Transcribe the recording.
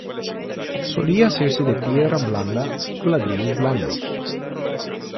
Solía hacerse de piedra blanda o ladrillos blandos.